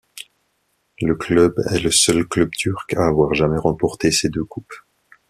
Le club est le seul club turc à avoir jamais remporté ces deux coupes.